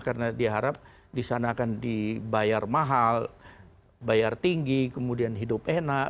karena diharap di sana akan dibayar mahal bayar tinggi kemudian hidup enak